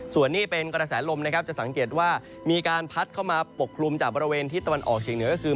ส่วนนี้เป็นกระแสลมนะครับจะสังเกตว่ามีการพัดเข้ามาปกคลุมจากบริเวณที่ตะวันออกเฉียงเหนือก็คือ